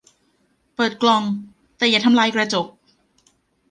เปิดกล่องแต่อย่าทำลายกระจก